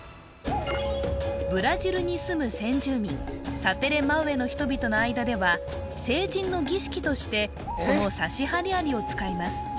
ブラジルに住む先住民サテレマウェの人々の間では成人の儀式としてこのサシハリアリを使います